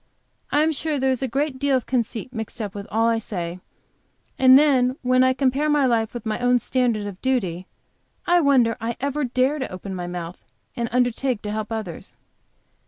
I am sure there is a great deal of conceit mixed up with all I say, and then when I compare my life with my own standard of duty, I wonder I ever dare to open my mouth and undertake to help others.